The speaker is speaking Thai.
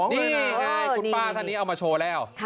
นี่ไงคุณป้าท่านนี้เอามาโชว์แล้ว